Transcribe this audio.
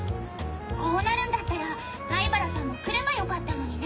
こうなるんだったら灰原さんも来ればよかったのにね。